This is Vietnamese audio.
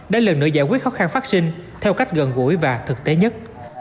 đã lần nữa giải quyết khó khăn phát sinh theo cách gần gũi và thực tế nhất